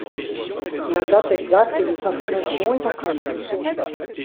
La date exacte de sa fondation est inconnue.